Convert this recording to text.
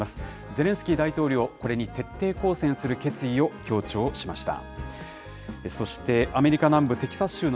ゼレンスキー大統領、これに徹底抗戦する決意を強調しました。